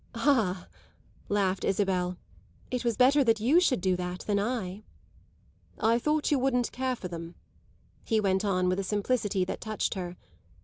"Ah," laughed Isabel, "it was better that you should do that than I!" "I thought you wouldn't care for them," he went on with a simplicity that touched her.